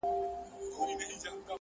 ور سره سم ستا غمونه نا بللي مېلمانه سي.